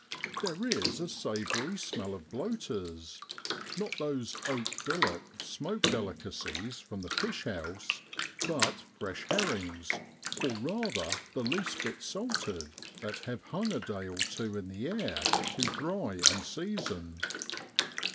There is a savoury smell of bloaters not those oak billet smoked delicacies from the fish house, but fresh herrings or rather the least bit salted, that have hung a day or so in the air to dry and season.